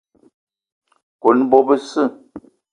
Kone bo besse